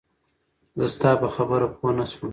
زه ستا په خبره پوهه نه شوم